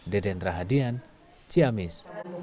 deden rahadian ciamis